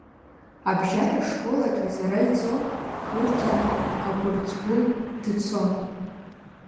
Абжьара школаҿ аҵара иҵон, урҭантә Агәрӡгәыл дцон.